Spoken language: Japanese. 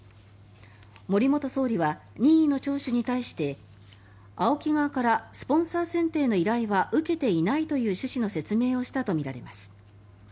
森元総理は任意の聴取に対してＡＯＫＩ側からスポンサー選定の依頼は受けていないという趣旨の説明をしたとみられます。